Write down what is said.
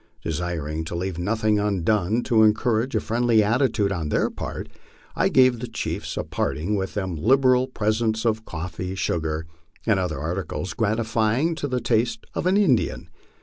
Desiring to leave nothing undone to en courage a friendly attitude on their part, I gave the chiefs on parting with them liberal presents of coffee, sugar, and other articles gratifying to the taste of an Indian.